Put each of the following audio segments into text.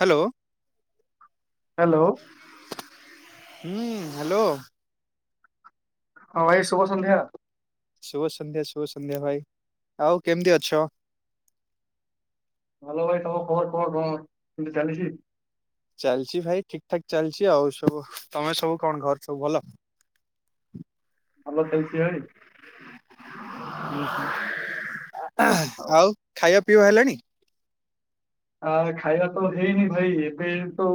Hello. Hello. ହୁଁ hello. ହଁ ଭାଇ ଶୁଭ ସନ୍ଧ୍ୟା। ଶୁଭ ସନ୍ଧ୍ୟା ଶୁଭ ସନ୍ଧ୍ୟା ଭାଇ ଆଉ କେମିତି ଅଛ? ଭଲ ଭାଇ ସବୁ ଖବର କଣ କଣ କେମିତି ଚାଲିଚି? ଚାଲିଚି ଭାଇ ଠିକ୍ ଠାକ୍ ଚାଲିଚି ଆଉ ସବୁ ତମେ ସବୁ କଣ ଘର ସବୁ ଭଲ? [inaudible] ଭଲ ଚାଲିଛି ଭାଇ ଆଉ ଖାଇବା ପିଇବା ହେଲାଣି ଆଉ ଖାଇବା ତ ହେଇନି ଭାଇ ଏବେ ତ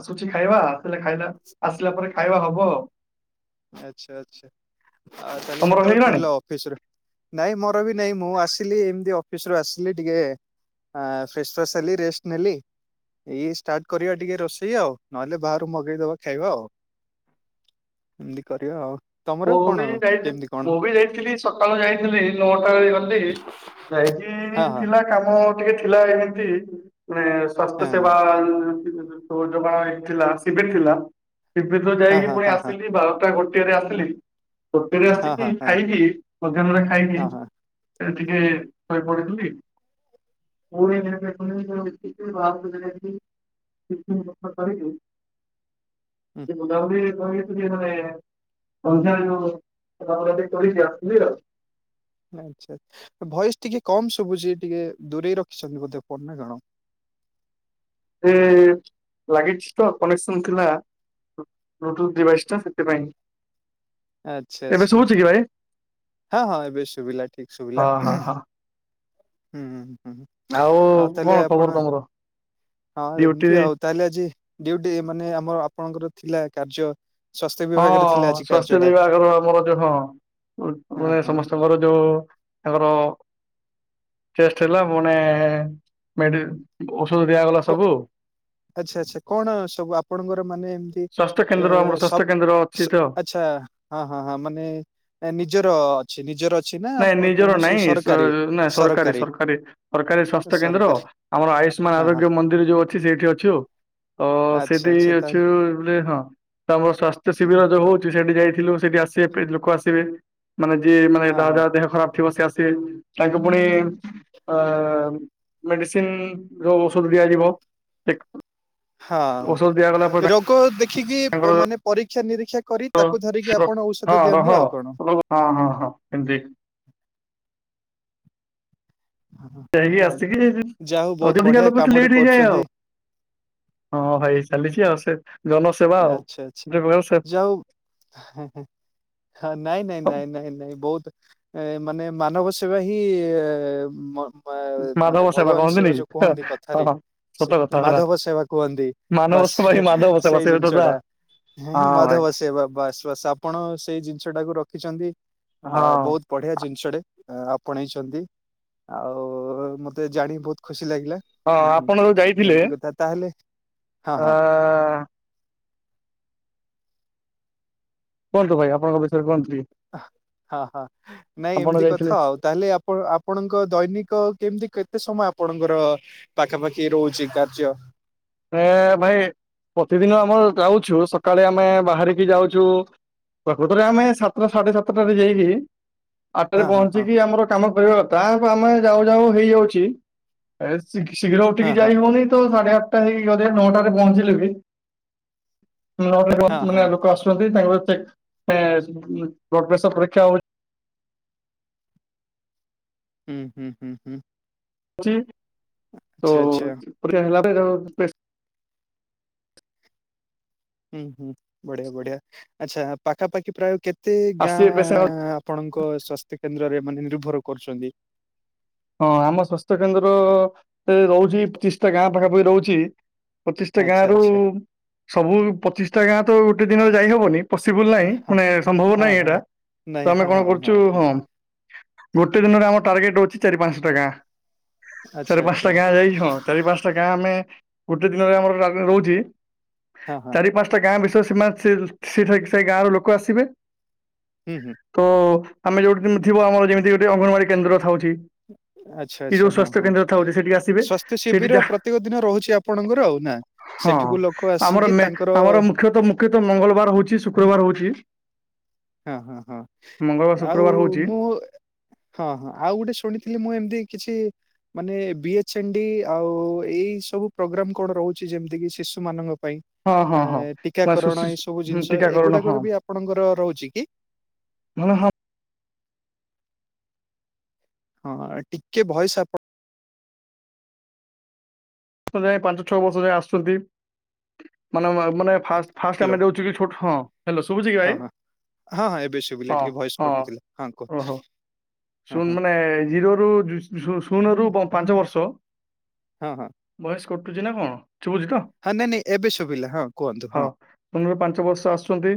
ଆସୁଛି ଖାଇବା ଆସିଲେ ଆସିଲା ପରେ ଖାଇବା ହବ ଆଉ ଆଚ୍ଛା ଆଚ୍ଛା ଆଉ ତାହେଲେ ତମର କେତେବେଳେ ହେଇଗଲାଣି ଫେରିଲ ଅଫିସିରୁ ନାଇଁ ମୋର ବି ନାଇଁ ମୁଁ ଆସିଲି ଏମିତି ଅଫିସି ରୁ ଆସିଲି ଟିକେ ଅ ଫ୍ରେଶ୍ ୱ। ସ୍ ରେଷ୍ଟେ ନେଲି ଏଇ ଷ୍ଟାର୍ଟ କରିବା ଟିକେ ରୋଷେଇ ଆଉ ନହେଲେ ବାହାରୁ ମଗେଇଦବା ଖାଇବା ଆଉ ଏମତି କରିବା ଆଉ ତମର ମୁଁ କଣ ବି ଯାଇ କେମିତି କଣ ମୁଁ ବି ଯାଇଥିଲି ସକାଳୁ ଯାଇଥିଲି ନଅଟା ବେଳେ ଗଲି ଯାଇକି ଇ ଇ ହଁ ଇ ହଁ ଥିଲା କାମ ଟିକେ ଥିଲା ଏମିତି ମାନେ ସ୍ଵାସ୍ଥ୍ୟ ହଁ ସେବା ଉଁ ଥିଲା ଶିବିରି ଥିଲା ଶିବିର ହଁ ଯାଇକି ହଁ ପୁଣି ହଁ ହଁ ଆସିଲି ବାରଟା ଗୋଟେରେ ଆସିଲି ହେଟେଲେରେ ହଁ ଆସିକି ହଁ ହଁ ଖାଇକି ମଧ୍ୟାହ୍ନରେ ଖାଇକି ହଁ ହଁ ଏ ଟିକେ ଶୋଇ ପଡିଥିଲି ମୁଁ ବି ଦିନେ ଯାଇକି ଟିଫିନ୍ ପତ୍ର କରିକି ଟିକେ ବୁଲା ବୁଲି କରିକି ମାନେ ସନ୍ଧ୍ୟା ବେଳୁ ବୁଲା ବୁଲି କରିକି ଆସଲି ଆଉ ଆଚ୍ଛା ଭଏସ୍ ଟିକେ କମ୍ ଶୁବୁଛି ଟିକେ ଦୂରେଇ ରଖିଛନ୍ତି ବୋଧେ ଫୋନ୍ ନା କଣ ଏ ଲାଗିଚି ତ କନେକ୍ସନ ଥିଲା ବ୍ଲୁଟୁଥ ଡିଭାଇସ ଟା ସେଥି ପାଇଁ ଆଚ୍ଛା ଆଚ୍ଛା ଭାଇ? ହଁ ହଁ ଏବେ ସୁବିଲା ଠିକ୍ ସୁବିଲା ହଁ ହଁ ହୁଁ ହଁ ହୁଁ ଆଉ ହଁ କଣ ତାହଲେ ଖବର ଆପଣ ତମର ହଁ ଡ୍ୟୁଟି ଏମିତି ଆଉ ତାହେଲେ ଆଜି ଡୁୟୁଟି ମାନେ ଆମ ଆପଣଙ୍କର ଥିଲା କାର୍ଯ୍ୟ ସ୍ୱାସ୍ଥ୍ୟ ହଁ ବିଭାଗରେ ଥିଲା ଆଜି ସ୍ଵାସ୍ଥ୍ୟ କାର୍ଯ୍ୟଟା ବିଭାଗର ଆମର ଯୋଉ ହଁ ହଁ ବହୁ ଆଁ ହଁ ସମ ତମର ଯୋଉ ତାଙ୍କର ଟେଷ୍ଟେ ହେଲା ମାନେ ଔଷଧ ଦିଆଗଲା କ ସବୁ ଆଚ୍ଛା ଆଚ୍ଛା କଣ ସବୁ ଆପଣଙ୍କର ମାନେ ଏମିତି ସ୍ୱାସ୍ଥ୍ୟ ଏ ଏ କେନ୍ଦ୍ର ଆମର ଏ ସ ସ୍ୱାସ୍ଥ୍ୟ ଅପ କେନ୍ଦ୍ର ଅଛି ସ ତ ଆଛା ହଁ ହଁ ହଁ ମାନେ ନିଜର ଅଛି ନିଜର ଅଛି ନା ନାଇଁ ନିଜର କୌଣସି ନାଇଁ ସରକାରୀ ସରକାରୀ ସରକାରୀ ସ୍ୱାସ୍ଥ୍ୟ କେନ୍ଦ୍ର ସରକାରୀ ଆମର ଆୟୁଷ୍ମାନ ହଁ ହଁ ଆରୋଗ୍ୟ ମ ନ୍ତ୍ରି ଯୋଉ ଅଛି ସେଇଠି ଅଛୁ ତ ଆଚ୍ଛା ସେଠି ଆଚ୍ଛା ଅଛୁ ତାହେଲେ ରେ ହଁ ତା ବସ ସ୍ୱାସ୍ଥ୍ୟ ଉଁ, ଶିବିର ଯୋଉ ହଉଚି ସେଠି ଯାଇଥିଲୁ ସେଠି ଆସିବେ ଲୋକ ଆସିବେ ମାନେ ଯିଏ ମାନେ ହଁ ଦା ହଁ। ଯା ଦେହ ଖରାପ୍ ଥିବ ସେ ଆସିବେ ତାଙ୍କ ପୁଣି ଆ ମେଡିସିନି ର ଔଷଧ ଦିଆଯିବ ଔଷଧ ଦିଆଗଲା ପରେ ହଁ ରୋଗ ଦେଖିକି ତାଙ୍କର ମାନେ ପରୀକ୍ଷା ନିରୀକ୍ଷା କରି ହଁ ତାକୁ ଧରିକି ରହ ଆପଣ ଔଷଧ ଦିଅନ୍ତି ଆଉ କଣ ହଁ ହଁ ହଁ ଏମିତି ହଁ, ହଁ। ଯାଇକି ଆ, ଆସିକି ଯାହା ହଉ ବହୁତ ଅଧିକା ବଢିଆ ଲୋକ ଥିଲେ କାମଟେ ଟିକେ ଲେଟ୍ ହେଇଯାଏ କରୁଛନ୍ତି ଆଉ ହଁ ଭାଇ ଚାଲିଛି ଆଉ ସେ ଜନ ସ ଆଚ୍ଛା ଆଚ୍ଛା ଯାଉ ହେଉ ହ ନାଇଁ ନାଇଁ ନାଇଁ ନାଇଁ ନାଇଁ ବଉତ ଏ ମାନେ ମାନବ ସେବା ହିଁ ମ ମାଧବ ମାନେ ସେବା ଭଗବାନ କହନ୍ତିନି ଶିବ ଯୋଉଁ କି କୁହନ୍ତି ହଁ କଥାରେ ହଁ। ସତ ସେ କଥା ହେରା ମାଧବ ସେବା କୁହନ୍ତି ମାନବ ବାସ ସେବା ହିଁ ସେ ମାଧବ ସେବା ସେ ସେଇ ତ ତା ଜିନ୍ଷଟା। ମୁଁ ହଁ ଭାଇ ମାଧବ ସେବା ବାସ୍ ବାସ୍ ଆପଣ ସେଇ ଜିନିଷ ଟାକୁ ରଖିଚନ୍ତି ଆ ହଁ। ବହୁତ୍ ବଢିଆ ଜିନ୍ଷଟେ ଆ ଆପଣେଇଚନ୍ତି। ଆଉ ମତେ ଜାଣି ବହୁତ୍ ଖୁସି ଲାଗିଲା। ହଁ ହୁଁ ହୁଁ ଆପଣ ଯୋଉ ଯାଇଥିଲେ ଏମ୍ତି କଥା ତାହେଲେ ହଁ ଆ ହଁ। କୁହନ୍ତୁ ଭାଇ ଆପଣଙ୍କ ବିଷୟରେ କୁହନ୍ତୁ ଟିକେ। ଆ ହ ହ ନାଇଁ ଆପଣ ଏମ୍ତି ଯାଇଥିଲେ କଥା ଆଉ ତାହେଲେ ଆପଣ ଆପ୍ ପଣଙ୍କ ଦୈନିକ କେମ୍ତି କେତେ ସମୟ ଆପଣଙ୍କର ପାଖାପାଖି ରହୁଚି କାର୍ଯ୍ୟ। ଏ ଭାଇ ପ୍ରତିଦିନ ଆମ ଯାଉଛୁ ସକାଳେ ଆମେ ବାହାରିକି ଯାଉଚୁ ପ୍ରକୃତରେ ଆମେ ସାତଟା ସାଢ଼େ ସାତଟାରେ ଯାଇକି ଆଠରେ ହଁ ହଁ ହଁ ପହଞ୍ଚିକି ଆମର କାମ କରିବା କଥା [unintelligible] ଆମେ ଯାଉ ଯାଉ ହେଇଯାଉଚି ଏ ଶିଘ୍ ଶୀଘ୍ର ହଁ ଉଠିକି ହଁ ଯାଇ ହଉନି ତ ସାଢେ ଆଟଟା ହେଇ [unintelligible] ନଅଟାରେ ପହଞ୍ଚିଲେ ବି ତ ହଁ ହଁ ମାନେ ଲୋକ ଆସୁଚନ୍ତି ତାଙ୍କର ଚେକ୍ କେ ବ୍ଲଡ଼ ପ୍ରେସର ପରୀକ୍ଷା ହଉ ହୁଁ ହୁଁ ହୁଁ ହୁଁ। ହଉଚି ଆଚ୍ଛା ଆଚ୍ଛା ତୋ [unintelligible] ହୁଁ ହୁଁ ବଢିଆ ବଢିଆ ଆଚ୍ଛା ପାଖାପାଖି ପ୍ରାୟ କେତେ ଆସିବେ ପେସେଣ୍ଟ ଗାଁ- ଆପଣଙ୍କ ସ୍ବାସ୍ଥ୍ୟ କେନ୍ଦ୍ରରେ ମାନେ ନିର୍ଭର କରୁଚନ୍ତି। ହଁ ଆମ ସ୍ୱାସ୍ଥ୍ୟ କେନ୍ଦ୍ର ରହୁଚି ପଚିଶଟା ଗାଁ ପାଖାପାଖି ରହୁଚି। ପଚିଶଟା ଆଚ୍ଛା ଗାଁରୁ ଆଚ୍ଛା ସବୁ ପଚିଶଟା ଗାଁ ତ ଗୋଟେ ଦିନରେ ଯାଇହବନି। ପସିବୁଲ ନାହିଁ ହଁ ମାନେ ସମ୍ଭବ ହଁ ନାହିଁ ହଁ। ଏଇଟା ନାଇଁ ତ ଆମେ ହଁ କଣ ହଁ କରୁଚୁ ହଁ। ଗୋଟେ ଦିନରେ ଆମ ଟାର୍ଗେଟ ହଉଚି ଚାରି ପାଞ୍ଚଟା ଗାଁ ଆଚ୍ଛା ଚାରି ଆଚ୍ଛା ପାଞ୍ଚଟା ଗାଁ ଯାଇ ହଁ। ଚାରି ପାଞ୍ଚଟା ଗାଁ ଆମେ ଗୋଟେ ଦିନରେ ଆମର [unintelligible] ରହୁଚି ହଁ ହଁ ଚାରି ପାଞ୍ଚ୍ ଟା ଗାଁ ବିଷୟରେ ସେମା ସେ ସେଠ ସେଇ ଗାଁର ଲୋକ ଆସିବେ। ହୁଁ ହୁଁ! ତ ଆମେ ଯୋଉଠି ମୁ ଥିବ ଆମର ଯେମିତି ଗୋଟେ ଅଙ୍ଗନବାଡି କେନ୍ଦ୍ର କଥା ହଉଚି। ଆଚ୍ଛା ଆଚ୍ଛା ହଁ ହଁ ସେଠିକି ଆସିବେ ସ୍ୱାସ୍ଥ୍ୟ ସେଇଠି ଶିବିର ଯାହା ପ୍ରତ୍ୟେକ ଦିନ ରହୁଛି ଆପଣଙ୍କର ଆଉ ନା। ହଁ ସେଠିକୁ ଲୋକ ଆମର ଆସିକି ମେ ତାଙ୍କର ଆମର ମୁଖ୍ୟତଃ ମୁଖ୍ୟତଃ ମଙ୍ଗଳବାର ହଉଚି ଶୁକ୍ରବାର ହଉଚି। ହଁ ହଁ ହଁ ମଙ୍ଗଳବାର ଆଉ ଶୁକ୍ରବାର ହଉଛି ମୁଁ- ହଁ ହଁ ଆଉ ଗୋଟେ ଶୁଣିଥିଲି ମୁଁ ଏମ୍ତି କିଛି- ମାନେ ବି ଏଚ ଏନ୍ ଡି ଆଉ ଏଇ ସବୁ ପୋଗ୍ରାମ କଣ ରହୁଛି ଯେମ୍ତି କି ଶିଶୁମାନଙ୍କ ପାଇଁ। ହଁ ହଁ ଏ ହଁ ବା ଟିକାକରଣ ଏଇ ସବୁ ଜିନ୍ଷ ଟିକାକରଣ ଏଗୁଡାକ ବି ଆପଣଙ୍କର ରହୁଚି। ହଁ ହଁ! ହଁ ଟିକେ ଭଏସ ଆପ- [unintelligible] ପାଞ୍ଚ ଛଅ ବର୍ଷ ଯାଏ ଆସୁଚନ୍ତି ମାନେ ମାନେ ଫା- ଫାଷ୍ଟ ହ୍ୟାଲୋ ଆମେ ଦଉ ଟିକେ ଛୋଟ ହଁ। ହ୍ୟାଲୋ ଶୁଭୁଚି କି ହଁ ଭାଇ ହଁ ହଁ ହଁ ଏବେ ଶୁଭିଲା ହଁ ଟିକେ ଭଏସ କଟୁଥିଲା କୁହନ୍ତୁ ହଁ ଓହୋ। ହଁ ଶୁନ୍ ହଁ ମାନେ ଜିରୋରୁୁ ଉଁ ଶୁ ଶୁନରୁ ପ ପାଞ୍ଚ ବର୍ଷ। ହଁ ହଁ। ଭଏସ କଟୁଚି ନା କଣ ଶୁଭୁଚି ତ? ହଁ ନାଇଁ ନାଇଁ ଏବେ ଶୁଭିଲା ହଁ କୁହନ୍ତୁ ହଁ। ଶୁନ୍ ରୁ ପାଞ୍ଚ ବର୍ଷ ଆସୁଚନ୍ତି।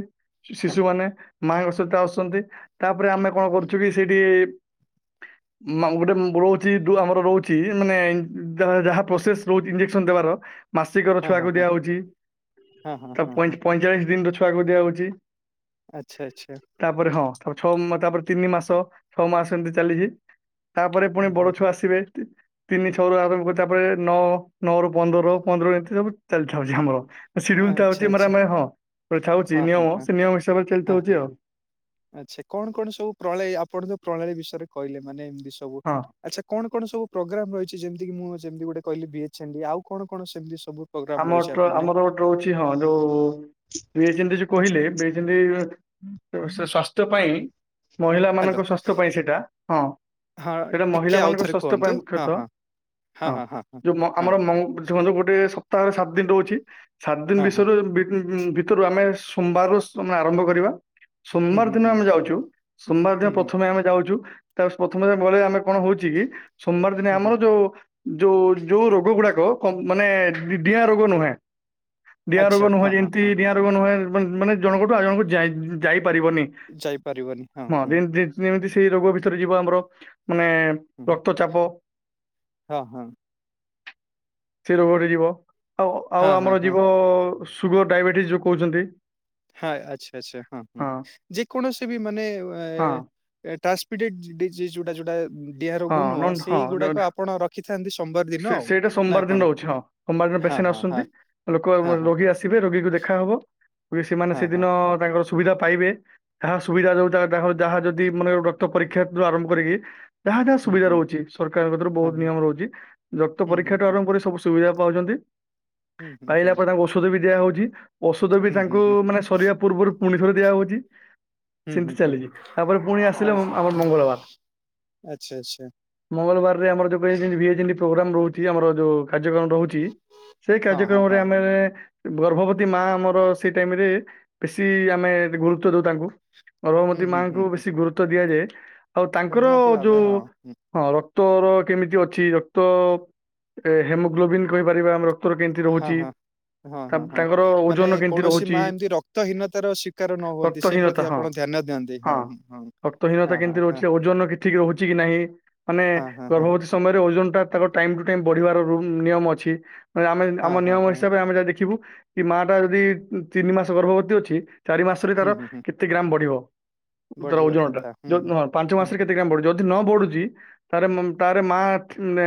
ଶିଶୁମାନେ ମାଙ୍କ ସହିତ ଆସୁଚନ୍ତି ତାପରେ ଆମେ କଣ କରୁଚୁ କି ସେଇଠି- ମ ଉଁ ଗୋଟେ ରହୁଚି ଆମର ରହୁଚି ମାନେ ଯାହା ଯାହା ପ୍ରୋସେସ୍ ରହୁଚି ଇଞ୍ଜେକ୍ସନ ଦେବାର- ମାସିକ ର ହଁ ହଁ ଛୁଆକୁ ହଁ ଦିଆହଉଚି ହଁ ହଁ ତ ହଁ ପଇଁ ହଁ ପଇଁଚାଳିଶ ଦିନ ର ଛୁଆକୁ ଦିଆହଉଚି। ଆଚ୍ଛା ଆଚ୍ଛା। ତାପରେ ହଁ ତାପରେ ଛଅ ତାପରେ ତିନି ମାସ ଛଅ ମାସ ଏମତି ଚାଲିଚି। ତାପରେ ପୁଣି ହୁଁ ହୁଁ ବଡ ହୁଁ ଛୁଆ ଆସିବେ। ତିନି ଛଅ ରୁ ଆରମ୍ଭ କରି ତାପରେ ନଅ ନଅ ରୁ ପନ୍ଦର ପନ୍ଦର ଏମତି ସବୁ ଚାଲିଛି ଆମର। ସିଡୁଲ ଆଚ୍ଛା ଥାଉଚି ଆମର ଆଚ୍ଛା ଆମେ ହଁ ଗୋଟେ ଥାଉଚି ହଁ ହଁ ନିୟମ ହଁ ସେ ନିୟମ ହିସାବରେ ହଁ ହଁ। ଚାଲିଥାଉଚି ଆଉ। ଆଚ୍ଛା କଣ କଣ ସବୁ ପ୍ରଣାଳୀ ଆପଣ ତ ପ୍ରଣାଳୀ ବିଷୟରେ କହିଲେ ମାନେ ଏମିତି ସବୁ- ହଁ ଆଚ୍ଛା କଣ କଣ ସବୁ ପ୍ରୋଗ୍ରାମ ରହିଛି ଯେମତି ମୁଁ ଯେମିତି ଗୋଟେ କହିଲି ବି ଏଚ ଏନ ଡି ଆଉ କଣ କଣ ସେମିତି ସବୁ- ପୋଗ୍ରାମ ରହିଚି ମାନେ- ରହୁଚି ହଁ ଯୋଉ ବି ଏଚ ଏନ ଡି ଯୋଉ କହିଲେ ବି ଏଚ ଏନ ଡି ସେ ସ୍ଵାସ୍ଥ୍ୟ ପାଇଁ ମହିଳା ହ୍ୟାଲୋ ମାନଙ୍କ ସ୍ୱାସ୍ଥ୍ୟ ପାଇଁ ସେଇଟା ହଁ। ହଁ ସେଟା ମହିଳା ଟିକେ ମାନଙ୍କ ଆଉଥରେ ସ୍ୱାସ୍ଥ୍ୟ ପାଇଁ କୁହନ୍ତୁ ହଁ ମୁଖ୍ୟତଃ ହଁ ହଁ ହଁ ହଁ ଯୋଉ ମ ହଁ। ଆମର ମ ଗୋଟେ ସପ୍ତାହରେ ସାତ ଦିନ ରହୁଚି ସାତ ଦିନ ହଁ, ହଁ, ହଁ, ବିଷୟରେ ଭିତରୁ ଆମେ ସୋମବାରରୁ ସମୟ ଆରମ୍ଭ କରିବା। ହୁଁ, ସୋମବାର ହୁଁ, ଦିନ ହୁଁ, ଆମେ ଯାଉଚୁ, ସୋମବାର ଦିନ ହୁଁ, ହୁଁ, ପ୍ରଥମେ ଆମେ ଯାଉଚୁ। ତା ପ୍ରଥମେ ଗଲେ ଆମେ କଣ ହଉଚି କି ସୋମବାର ଦିନେ ହୁଁ, ହୁଁ, ଆମର ଯୋଉ- ଯୋଉ ଯୋଉ ରୋଗ ଗୁଡାକ କ ମାନେ ଡିଆଁ ରୋଗ ନୁହେଁ। ଡିଆଁ ଆଚ୍ଛା, ରୋଗ ନୁହେଁ ହଁ, ହଁ, ଯେମିତି ହଁ, ଡିଆଁ ରୋଗ ନୁହେଁ ମାନେ ମାନେ ଜଣଙ୍କଠୁ ଆଉ ଜଣକୁ ଯାଇ ଯାଇପାରିବନି। ଯାଇପାରିବନି ହଁ ହଁ। ଯେମିତି ସେଇ ରୋଗ ଭିତରେ ଯିବ ଆମର ମାନେ ହୁଁ, ହୁଁ, ରକ୍ତ ଚାପ ହଁ, ହଁ, ସେ ରୋଗରେ ଯିବ। ଆଉ ଆଉ ହଁ, ହଁ, ଆମର ହଁ, ଯିବ ସୁଗ କର ଡାଇବେଟିସ୍ ଯୋଉ କହୁଛନ୍ତି। ହଁ ଆଚ୍ଛା ଆଚ୍ଛା ହଁ ହଁ, ଯେକୌଣସି ବି ମାନେ ହଁ ଟ୍ରାନ୍ସମିଟେଡ ଡିଜିଜ ଯୋଉଟା ଯୋଉଟା ଡିଆଁ ହଁ ରୋଗ ନୁହଁ ନନ୍ ହଁ ସେଇଗୁଡାକ ନ- ଆପଣ ରଖିଥାନ୍ତି ସୋମବାର। ଦିନ ସେ ଆଉ। ସେଇଟା ନା ସୋମବାର ଦିନ କଣ? ରହୁଛି ହଁ ସୋମବାର ଦିନ ହଁ, ପେସେଣ୍ଟ ହଁ, ଆସୁଛନ୍ତି। ହଁ, ଲୋକ ହଁ, ହଁ, ରୋଗୀ ଆସ ଆସିବେ ରୋଗୀକୁ ଦେଖାହେବ, ତାପରେ ସେମାନେ ହଁ, ହଁ, ସେଦିନ ତାଙ୍କର ସୁବିଧା ପାଇବେ, ଯାହା ସୁବିଧା ଯୋଉଟା ଯାହା ଯଦି ମାନେ ରକ୍ତ ପରୀକ୍ଷାଠୁ ଆରମ୍ଭ କରିକି ଯାହା ଯାହା ହୁଁ, ସୁବିଧା ହୁଁ, ରହୁଛି ସରକାରଙ୍କଠାରୁ ହଁ, ବହୁତ ହଁ, ନିୟମ ରହୁଛି। ରକ୍ତ ହୁଁ, ହୁଁ, ପରୀକ୍ଷାଠୁ ହୁଁ, ଆରମ୍ଭ କରି ସବୁ ସୁବିଧା ପାଉଛନ୍ତି ହୁଁ, ହୁଁ, ପାଇଲା ପରେ ହୁଁ, ତାଙ୍କୁ ଔଷଧ ବି ଦିଆ ହଉଛି। ଔଷଧ ବି ହୁଁ, ତାଙ୍କୁ ହୁଁ, ମାନେ ସରିବା ପୂର୍ବରୁ ପୁଣି ଥରେ ଦିଆହଉଛି। ହୁଁ, ହୁଁ, ସେମିତି ହୁଁ, ଚାଲିଛି ତାପରେ ପୁଣି ଆସିଲା ଆଚ୍ଛା, ଆମର ମଙ୍ଗଳବାର। ଆଚ୍ଛା, ଆଚ୍ଛା, ମଙ୍ଗଳବାରରେ ଆମର ଯେବେ ହୁଏ ଯେମିତି ପ୍ରୋଗ୍ରାମ ରହୁଛି ଆମର ଯୋଉ କାର୍ଯ୍ୟକ୍ରମ ରହୁଛି ସେଇ ହଁ, ହଁ, କାର୍ଯ୍ୟକ୍ରମରେ ହଁ। ଆମେ ଗର୍ଭବତୀ ମା ଆମର ସେଇ ଟାଇମରେ ବେଶୀ ଆମେ ଗୁରୁତ୍ୱ ଦେଉ ତାଙ୍କୁ। ହୁଁ ଗର୍ଭମତୀ ହୁଁ ହୁଁ ମାଙ୍କୁ ବେଶୀ ଗୁରୁତ୍ଵ ଦିଆଯାଏ ଆଉ ହୁଁ ତାଙ୍କର ନିହାତି ଭାବେ ଯୋଉ ହଁ ହୁଁ ହଁ ରକ୍ତର କେମିତି ଅଛି ରକ୍ତ ହିମୋଗ୍ଲୋବିନ୍ କହିପାରିବା ଆମେ ର ରକ୍ତର କେମିତି ହଁ ରହୁଛି? ହଁ। ହଁ ହଁ ତା- ହଁ ତାଙ୍କର ମାନେ ଓଜନ କେମିତି କୌଣସି ରହୁଛି ମା ଏମତି ରକ୍ତହୀନତାର ଶିକାର ନ ହୁଅନ୍ତି। ସେ ରକ୍ତହୀନତା ପ୍ରତି ହଁ ଆପଣ ଧ୍ୟାନ ଦିଅନ୍ତି ହଁ, ରକ୍ତହୀନତା ହଁ ହଁ କେମିତି ହଁ ରହୁଛି ଓଜନ ଠିକ୍ ଠିକ୍ ରହୁଛି କି ନାହିଁ। ମାନେ ହଁ ହଁ ହଁ ଗର୍ଭବତୀ ସମୟରେ ଓଜନ ଟା ତାଙ୍କ ଟାଇମ ଟୁ ଟାଇମ ବଢିବାର ର ନିୟମ ଅଛି। ଆମେ ଆମ ହଁ ହଁ ନିୟମ ହଁ ହିସାବରେ ଆମେ ଯାହା ଦେଖିବୁ କି ମା ଟା ଯଦି ତିନି ମାସ ଗର୍ଭବତୀ ଅଛି। ଚାରି ମାସରେ ହୁଁ ତାର ହୁଁ ହୁଁ କେତେ ଗ୍ରାମ ବଢିବ ତାର ବଢିବାର ଓଜନ ଟା। କଥା ହୁଁ। ଯଦି ହଁ ପାଞ୍ଚ ହୁଁ ମାସରେ ହୁଁ କେତେ ଗ୍ରାମ ବଢିବ? ଯଦି ନ ବଢୁଛି ତାହେଲେ ତାର ମା ମାନେ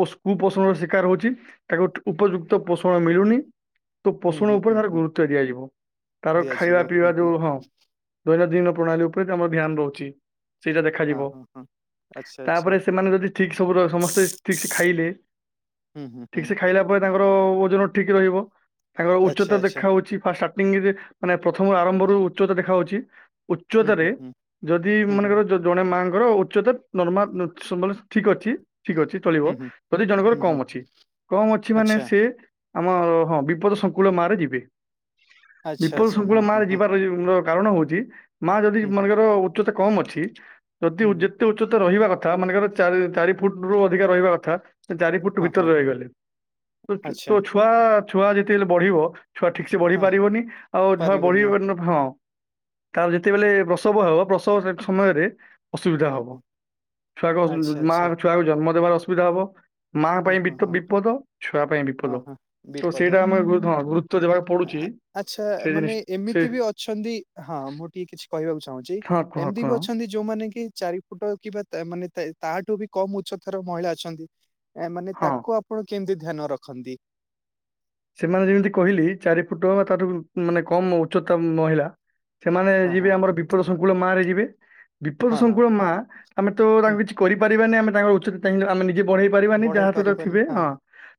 କୁପୋଷଣର ଶିକାର ହଉଛି ତାକୁ ଉପଯୁକ୍ତ ପୋଷଣ ମିଳୁନି। ତ ହୁଁ ପୋଷଣ ହୁଁ ଉପରେ ହୁଁ ତାର ହୁଁ ଗୁରୁତ୍ଵ ଦିଆଯିବ ତାର ଖାଇବା ଦିଆଯିବ ହୁଁ ପିଇବା ହୁଁ ଯୋଉ ହଁ। ଦୈନନ୍ଦିନ ପ୍ରଣାଳୀ ଉପରେ ଆମର ଧ୍ୟାନ ରହୁଛି। ସେଇଟା ହଁ ଦେଖାଯିବ। ହଁ ହଁ। ଆଚ୍ଛା ଆଚ୍ଛା ତାପରେ ସେମାନେ ଯଦି ଠିକସେ [unintelligible] ଠିକ ସେ ଖାଇଲେ, ହୁଁ ହୁଁ ଠିକ ହୁଁ ସେ ଖାଇଲା ପରେ ତାଙ୍କର ଓଜନ ଠିକ ରହିବ। ତାଙ୍କ ଆଚ୍ଛା ଉଚ୍ଚତା ଆଚ୍ଛା ଦେଖା [unintelligible] ମାନେ ପ୍ରଥମ ଆରମ୍ଭରୁ ଉଚ୍ଚତା ଦେଖା ଯାଉଛି ହୁଁ ହୁଁ ଉଚ୍ଚତାରେ ହୁଁ ଯଦି ହୁଁ ମନେକର ହୁଁ। ଯଦି ଜଣେ ମାଆଙ୍କର ଉଚ୍ଚତା ନର୍ମାଲ ମାନେ ଠିକ ଅଛି, ଠିକ ଅଛି। ଚଳିବ। ହୁଁ ହୁଁ ଯଦି ଜଣଙ୍କର ହୁଁ ହୁଁ କମ ଅଛି, କମ ଅଛି ମାନେ ଆଚ୍ଛା ସେ ଆମ ହଁ ବିପଦ ସଂଙ୍କୁଳ ମାରେ ଯିବେ। ଆଚ୍ଛା ବିପଦ ଆଚ୍ଛା ସଂଙ୍କୁଳ ହଁ ମା ହଁ ରେ ହଁ ଯିବାର ଉ କାରଣ ହଉଛି ମା ଯଦି ହୁଁ ହୁଁ ମନେକର ଉଚ୍ଚତା କମ୍ ଅଛି ଯଦି ହୁଁ [unintelligible] ହୁଁ ଯେତେ ଉଚ୍ଚତା ରହିବା କଥା, ମନେକର ଚାରି -ଚାରି ଫୁଟ ରୁ ଅଧିକା ରହିବା କଥା। ଚାରି ଫୁଟ ହଁ ଭିତରେ ହଁ। ରହିଗଲେ। ତ ଆଚ୍ଛା ଛୁ ଛୁଆ, ଛୁଆ ଯେତେବେଲେ ବଢିବ ଛୁଆ ଠିକ୍ ସେ ବଢି ହଁ ପାରିବନି। ଆଉ ଛୁଆ ବଢିବ ପାରିବନି ନ ହଁ ତାର ଯେତେବେଳେ ପ୍ରସବ ହେବ, ପ୍ରସବ ସମୟରେ ଅସୁବିଧା ହୁଁ। ହବ। ଛୁଆକୁ ଆଚ୍ଛା ମା ଆଚ୍ଛା ଆଉ ଛୁଆକୁ ଜନ୍ମ ଦେବାର ଅସୁବିଧା ହବ। ମା ହଁ ପାଇଁ ହଁ ବିପଦ ହଁ -ବିପଦ। ଛୁଆ ପାଇଁ ବିପଦ। ହଁ ହଁ ତ ବିପଦ। ସେଇଟା ଆମେ ଗୁରୁତ୍ୱ ଦେବାକୁ ଆ, ପଡୁଛି। ଆଚ୍ଛା ସେ ମାନେ ଜିନିଷ ସେ ଏମିତି ବି ଅଛନ୍ତି, ହଁ ମୁଁ ଟିକେ କିଛି କହିବାକୁ ଚାହୁଁଛି। ହଁ କୁହ ଏମିତି ବି କୁହ ଅଛନ୍ତି ଯୋଉମାନେ କି ଚାରି ଫୁଟ କିମ୍ବା ତା ମାନେ ତାଠୁ ବି କମ ଉଚ୍ଚତାର ମହିଳା ଅଛନ୍ତି ଆ ମାନେ ହଁ ତାକୁ ଆପଣ କେମିତି ଧ୍ୟାନ ରଖନ୍ତି? ସେମାନେ ଯେମିତି କହିଲି ଚାରି ଫୁଟ ବା ତାଠାରୁ ମାନେ କମ ଉଚ୍ଚତା ମହିଳା ସେମାନେ ହଁ ଯିବେ ହଁ ଆମର ବିପଦ ସଂଙ୍କୁଳ ମାରେ ଯିବେ। ବିପଦ ହଁ ହଁ ସଂଙ୍କୁଳ ମା ଆମେ ତ ହୁଁ ତାଙ୍କୁ କିଛି କରିପାରିବାନି। ଆମେ ତାଙ୍କ ଉଚ୍ଚତା ଚାହିଁଲେ ଆମେ ନିଜେ ବି ବଢ଼େଇପାରିବନି ଯାହା ବଢେଇ ଉଚ୍ଚତା ପାରିବନି ଥିବେ। ହଁ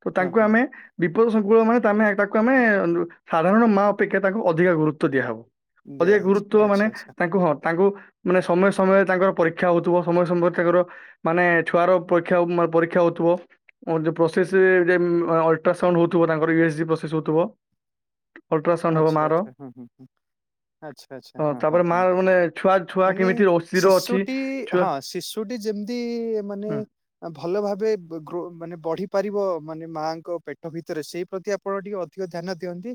ତ ହଁ ତାଙ୍କୁ ହଁ ଆମେ ବିପଦ ସଂକୁ [unintelligible] ତାକୁ ଆମେ ସାଧାରଣ ମା ଅପେକ୍ଷା ତାଙ୍କୁ ଅଧିକା ଗୁରୁତ୍ୱ ଦିଆହବ। ଅଧିକ ଦିଆହଉଛି ଗୁରୁତ୍ବ ମାନେ ଆଚ୍ଛା ଆଚ୍ଛା ତାଙ୍କୁ ହଁ ତାଙ୍କୁ ମାନେ ସମୟେ ସମୟେ ତାଙ୍କର ପରୀକ୍ଷା ହଉଥିବ। ସମୟ ସମୟରେ ତାଙ୍କର ମାନେ ଛୁଆର ପରୀକ୍ଷା- ପରୀକ୍ଷା ହଉଥିବ। ପ୍ରୋସେସ ଦେନ ଅଲଟ୍ରାସାଉଣ୍ଡ ହୋଉଥିବ ତାଙ୍କର। ଇ ଏସ ଜି ପ୍ରସେସ ହୋଉଥିବ। ଆଚ୍ଛା, ଆଚ୍ଛା। ହଁ, ହଁ, ହଁ। ଆଚ୍ଛା -ଆଚ୍ଛା, ହଁ ହଁ ତାପରେ ମା ହଁ। ମାନେ ଛୁଆ ଛୁଆ ମାନେ କେମିତି ର- ସ୍ଥିର ଅଛି ଶିଷୁଟି ଛୁଆ ହଁ ଶିଶୁ ଶିଶୁଟି ଯେମିତି ମାନେ ହୁଁ, ଭଲ ଭାବେ ଗ ଗ୍ରୋ ମାନେ ବଢି ପାରିବ। ମାନେ ମାଙ୍କ ପେଟ ଭିତରେ ସେଇ ପ୍ରତି ଆପ ଆପଣ ଟିକେ ଅଧିକ ଧ୍ୟାନ ଦିଅନ୍ତି।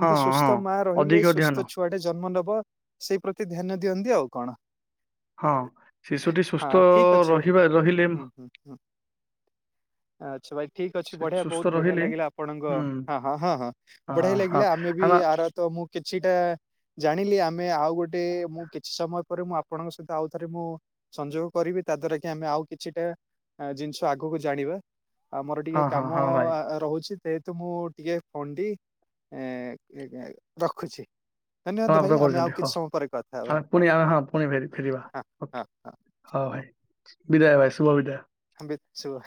ହଁ ହଁ ସୁସ୍ଥ ମା ରହିଲେ ଅଧିକ ସୁସ୍ଥ ଧ୍ୟାନ ଛୁ ଛୁଆଟେ ଜନ୍ମ ନବ। ସେଇ ପ୍ରତି ଧ୍ୟାନ ଦିଅନ୍ତି ଆଉ କଣ। ହଁ ଶିଶୁଟି ହଁ ସୁସ୍ଥ ଠିକ ଅଛି ଭାଇ ରହିବା, ରହିଲେ ହୁଁ ହୁଁ, ହୁଁ। [inaudible] ଆଚ୍ଛା ଭାଇ ଠିକ ଅଛି, ସେ ବଢିଆ। ସୁସ୍ଥ ବହୁତ ବଢିଆ ରହିଲେ ଲାଗିଲା ଆପଣଙ୍କ, ହୁଁ ହଁ -ହଁ -ହଁ -ହଁ ବଢିଆ ହଁ ଲାଗିଲା। ଆମେ ବି ଆମ- ଆର ତ ମୁଁ କିଛିଟା ଜାଣିଲି। ଆମେ ଆଉ ଗୋଟେ, ମୁଁ କିଛି ସମୟ ପରେ ମୁଁ ଆପଣଙ୍କ ସହିତ ଆଉ ଥରେ ମୁଁ ସଂଯୋଗ କରିବି ତା ଦ୍ଵାରା କି ଆମେ ଆଉ କିଛିଟା ଜିନିଷ ଆଗକୁ ଜାଣିବା। ଆଉ ମୋର ହଁ ଟିକେ ହଁ କାମ ହଁ ଭାଇ ରହୁଛି। ଯେହେତୁ ମୁଁ ଟିକେ ଫୋନଟି ଏଁ, ରଖୁଛି। ଧନ୍ୟବାଦ ସମାପ୍ତ ଭାଇ। ଆମେ ଆଉ କରୁଛନ୍ତି ହଁ କିଛି ସମୟ ପରେ କଥା ହେବା। ଆମେ ହଉ ପୁଣି ଆମେ ହଁ ପୁଣି ଫେରି ଫେରିବା ହଁ ଓକେ ହଁ ହଁ। ହଁ ଭାଇ ବିଦାୟ ଭାଇ, ଶୁଭ ବିଦାୟ। ବିତ୍ ଛୁଆ